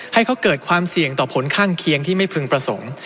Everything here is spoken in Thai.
ให้เขาเกิดความเสี่ยงต่อผลข้างเคียงที่ไม่พึงประสงค์